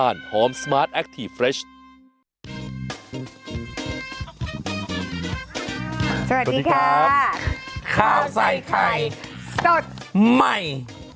อ้าะอิ๊ยสีรฟินหน้าใหม่